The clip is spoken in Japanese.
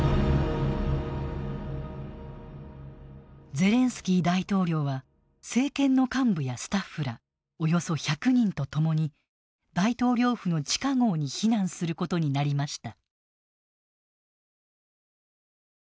ゼレンスキー大統領は政権の幹部やスタッフらおよそ１００人と共に大統領府の地下壕に避難することになりました。